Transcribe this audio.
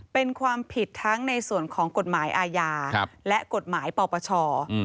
เป็นความผิดทั้งในส่วนของกฎหมายอาญาและกฎหมายปปช